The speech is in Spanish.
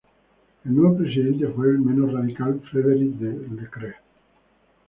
El nuevo presidente fue el menos radical Frederik de Klerk.